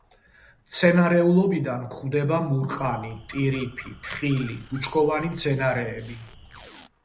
მცენარეულობიდან გვხვდება მურყანი, ტირიფი, თხილი, ბუჩქოვანი მცენარეები.